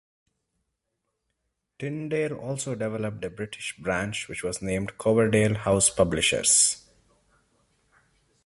Tyndale also developed a British branch, which was named "Coverdale House Publishers".